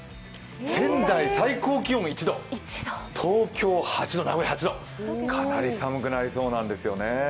仙台、最高気温１度、東京８度、名古屋８度、かなり寒くなりそうなんですね。